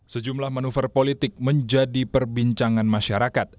sejumlah manuver politik menjadi perbincangan masyarakat